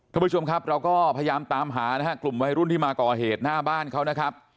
ท่านผู้ชมครับเราก็พยายามตามหานะฮะกลุ่มวัยรุ่นที่มาก่อเหตุหน้าบ้านเขานะครับ